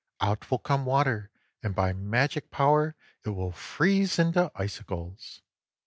Out will come water, and by magic power it will freeze into icicles."